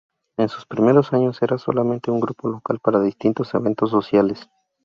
En sus primeros años, eran solamente un grupo local, para distintos eventos sociales.